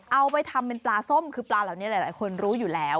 เอาไปทำเป็นปลาส้มคือปลาเหล่านี้หลายคนรู้อยู่แล้ว